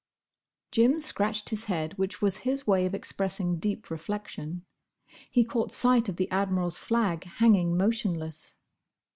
Jim scratched his head—which was his way of expressing deep reflection. He caught sight of the Admiral's flag hanging motionless.